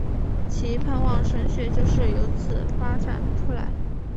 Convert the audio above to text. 其盼望神学就是有此发展出来。